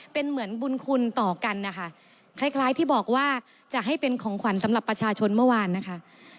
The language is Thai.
เป็นเหมือนบุญคุณต่อกันนะคะคล้ายที่บอกว่าจะให้เป็นของขวัญสำหรับประชาชนเมื่อวานนะคะ